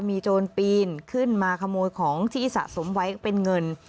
มีโจรปีนขึ้นมาขโมยของที่สะสมไว้เป็นเงิน